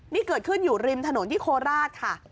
นี่เกิดขึ้นอยู่ริมถนนที่โคราชค่ะ